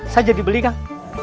saya jadi beli kang